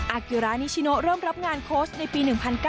กิรานิชิโนเริ่มรับงานโค้ชในปี๑๙